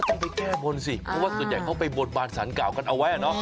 ก็ต้องไปแก้บ้นสิเพราะว่าส่วนใหญ่เขาไปบทบาทสารกล่าวกันเอาไว้